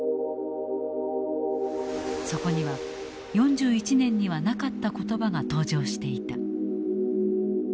そこには４１年にはなかった言葉が登場していた。